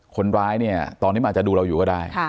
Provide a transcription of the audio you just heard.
คนร้ายเนี่ยตอนนี้มันอาจจะดูเราอยู่ก็ได้